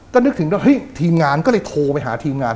ก็นึกถึงว่าเฮ้ยทีมงานก็เลยโทรไปหาทีมงาน